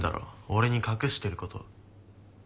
俺に隠してること。